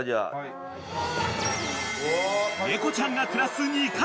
［猫ちゃんが暮らす２階